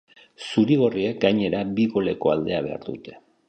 Zuri-gorriek, gainera, bi goleko aldea behar dute.